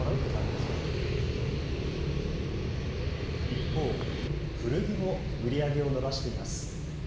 一方、古着も売り上げを伸ばしています。